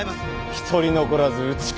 一人残らず打ち首！